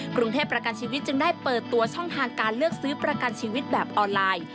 กรุงเทพประกันชีวิตจึงได้เปิดตัวช่องทางการเลือกซื้อประกันชีวิตแบบออนไลน์